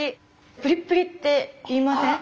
プリプリって言いません？